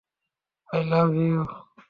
I love ইঊ।